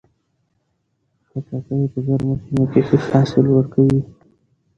خټکی په ګرمو سیمو کې ښه حاصل ورکوي.